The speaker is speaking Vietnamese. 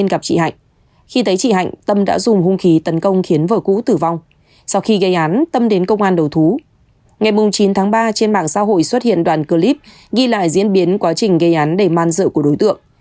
ngày chín tháng ba trên mạng xã hội xuất hiện đoạn clip ghi lại diễn biến quá trình gây án đầy man dự của đối tượng